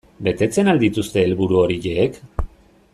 Betetzen al dituzte helburu horiek?